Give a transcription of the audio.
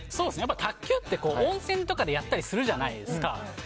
卓球って、温泉とかでやったりするじゃないですか。